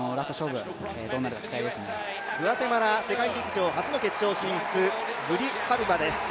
グアテマラ、世界陸上初の決勝進出、グリハルバです。